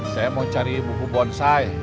saya mau cari buku bonsai